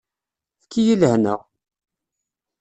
Efk-iyi lehna!